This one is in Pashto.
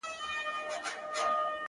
o که په کور کي امير دئ، په بهر کي فقير دئ!